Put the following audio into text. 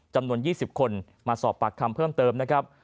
จำนวน๒๐คนมาสอบปากคำเพิ่มเติมนะครับ